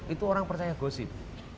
itu orang percaya gosip